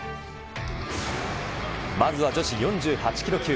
まずは女子４８キロ級。